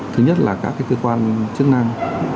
thứ nhất là các cái cơ quan chức năng